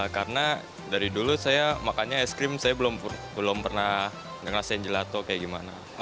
karena dari dulu saya makannya ice cream saya belum pernah dengerin ice cream gelato kayak gimana